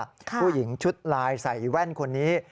ผู้หญิงชุดลายใส่แว่นคนนี้